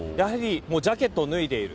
ジャケットを脱いでいる。